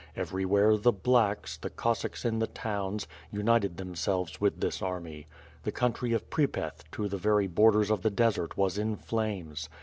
Everywhere the ^•blacks,*' the Cossacks in the towns, united themselves with this army. The country of Pripeth, to the very borders of the desert was in flames.